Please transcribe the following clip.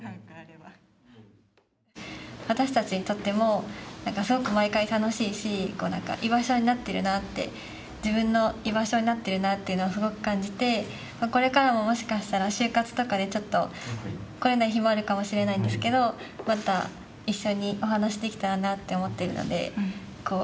私たちにとってもすごく毎回楽しいしこうなんか居場所になっているなって自分の居場所になっているなというのをすごく感じてこれからももしかしたら就活とかで来られない日もあるかもしれないんですけどまた一緒にお話できたらなって思っているのでこう。